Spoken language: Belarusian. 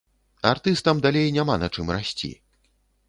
Артыстам далей няма на чым расці.